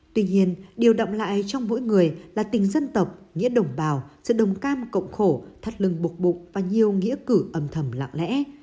tuy nhiên điều đậm lại trong mỗi người là tình dân tộc nghĩa đồng bào sự đồng cam cộng khổ thắt lưng bục bục và nhiều nghĩa cử ấm thầm lạng lẽ